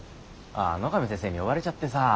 ああ野上先生に呼ばれちゃってさ。